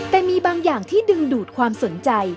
แต่มีบางอย่างที่ดึงดูดความสนใจ